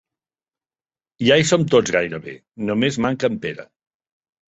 Ja hi som tots gairebé: només manca en Pere.